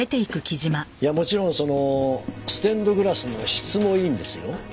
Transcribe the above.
いやもちろんそのステンドグラスの質もいいんですよ。